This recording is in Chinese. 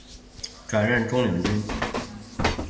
转任中领军。